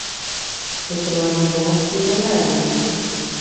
د دروازې په مخکې ولاړ يې.